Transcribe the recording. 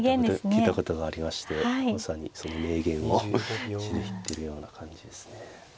聞いたことがありましてまさにその名言を地で行ってるような感じですね。